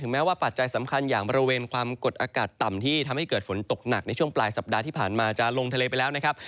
แม้ว่าปัจจัยสำคัญอย่างบริเวณความกดอากาศต่ำที่ทำให้เกิดฝนตกหนักในช่วงปลายสัปดาห์ที่ผ่านมาจะลงทะเลไปแล้วนะครับ